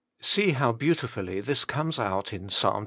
See how beautiful this comes out in P& xzv.